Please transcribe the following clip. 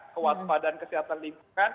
kewaspadaan kesehatan lingkungan